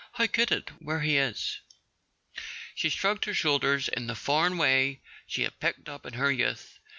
"How could it, where he is?" She shrugged her shoulders in the "foreign" way she had picked up in her youth.